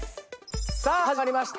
さあ始まりました。